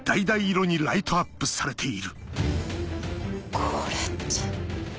これって。